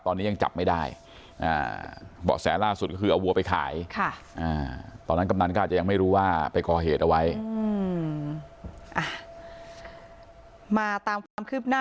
ตอนนี้ยังจับไม่ได้แสล่าสุดคือเอาวัวไปขายตอนนั้นกำลังก็อาจจะยังไม่รู้ว่าไปก่อเหตุเอาไว้